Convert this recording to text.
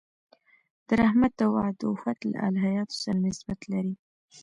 د رحمت او عطوفت له الهیاتو سره نسبت لري.